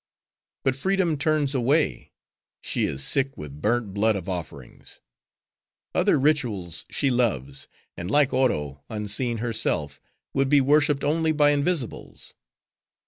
But Freedom turns away; she is sick with burnt blood of offerings. Other rituals she loves; and like Oro, unseen herself, would be worshiped only by invisibles.